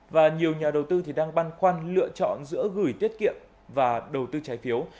và nhiều nhà đầu tư đang băn khoăn lựa chọn giữa gửi tiết kiệm và đầu tư trái phiếu